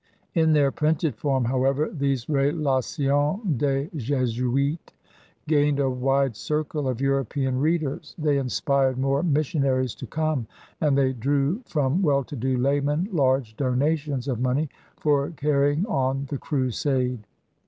In their printed form, however, these BUaiions des JSsuites gained a wide circle of European readers; they inspired more missionaries to come, and they drew from weU to do laymen large donations of money for carrying on the crusade.